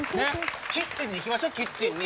キッチンに行きましょうキッチンに。